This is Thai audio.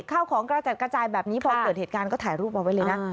ข้าวของกระจัดกระจายแบบนี้พอเกิดเหตุการณ์ก็ถ่ายรูปเอาไว้เลยนะ